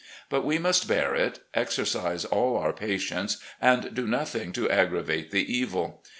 But we must bear it, exercise all our patience, and do nothing to aggravate the evil.